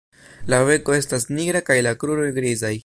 La beko estas nigra kaj la kruroj grizaj.